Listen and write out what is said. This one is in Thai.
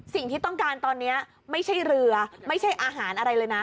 สิ่งที่ต้องการตอนนี้ไม่ใช่เรือไม่ใช่อาหารอะไรเลยนะ